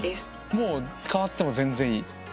もう変わっても全然いい？